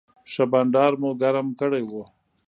ښه بنډار مو ګرم کړی و.